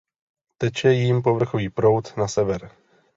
Teče jím povrchový proud na sever.